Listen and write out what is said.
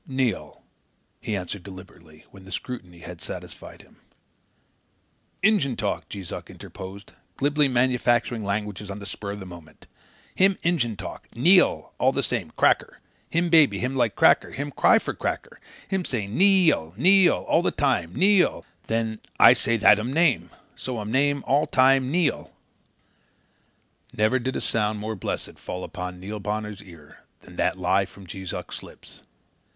"Neil," he answered deliberately when the scrutiny had satisfied him. "Injun talk," Jees Uck interposed, glibly manufacturing languages on the spur of the moment. "Him Injun talk, NEE AL all the same 'cracker.' Him baby, him like cracker; him cry for cracker. Him say, 'NEE AL, NEE AL,' all time him say, 'NEE AL.' Then I say that um name. So um name all time Nee al." Never did sound more blessed fall upon Neil Bonner's ear than that lie from Jees Uck's lips.